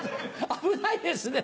危ないですね！